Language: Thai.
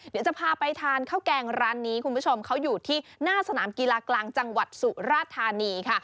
เดี๋ยวจะพาไปทานข้าวแกงร้านนี้คุณผู้ชมเขาอยู่ที่หน้าสนามกีฬากลางจังหวัดสุราธานีค่ะ